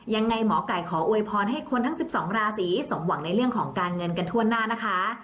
ยังไงหมอไก่ขออวยพรให้คนทั้ง๑๒ราศีสมหวังในเรื่องของการเงินกันทั่วหน้านะคะ